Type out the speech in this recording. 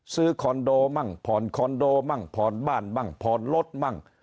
คอนโดมั่งผ่อนคอนโดมั่งผ่อนบ้านมั่งผ่อนรถมั่ง